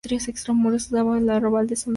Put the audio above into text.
Extramuros, daba al arrabal de San Martín.